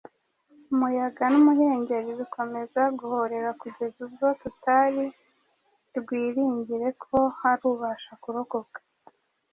umuyaga n’umuhengeri bikomeza guhorera kugeza ubwo tutari rwiringiye ko hari ubasha kurokoka.”